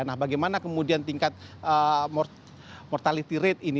nah bagaimana kemudian tingkat mortality rate ini